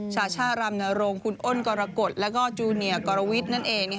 ชาช่ารำนโรงคุณอ้นกรกฎแล้วก็จูเนียกรวิทย์นั่นเอง